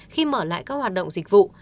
khi mở lại các hoạt động dịch vụ